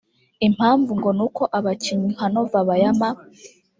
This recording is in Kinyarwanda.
Impamvu ngo ni uko abakinnyi nka Nova Bayama